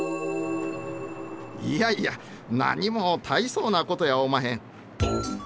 いやいや何も大層なことやおまへん。